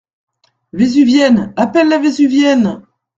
Vésuvienne ! appelle-la vésuvienne !